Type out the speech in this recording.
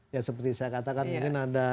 ya seperti saya katakan mungkin ada